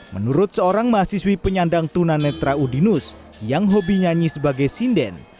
menurut seorang mahasiswi penyandang tunanetra udinus yang hobi nyanyi sebagai sinden